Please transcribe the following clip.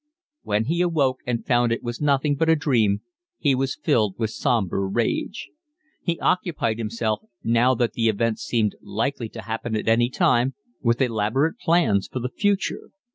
When he awoke and found it was nothing but a dream he was filled with sombre rage. He occupied himself, now that the event seemed likely to happen at any time, with elaborate plans for the future.